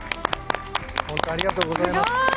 本当ありがとうございます。